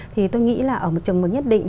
thì tôi nghĩ là ở một chứng minh nhất định